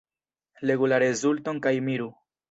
Legu la rezulton kaj miru.